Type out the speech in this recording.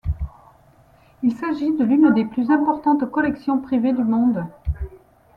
Il s'agit de l'une des plus importantes collections privées du monde.